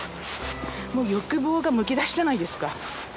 もう欲望がむき出しじゃないですか。